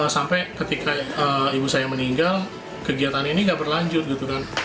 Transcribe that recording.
sampai ketika ibu saya meninggal kegiatan ini nggak berlanjut